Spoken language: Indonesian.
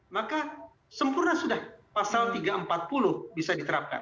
maka sempurna sudah pasal tiga ratus empat puluh bisa diterapkan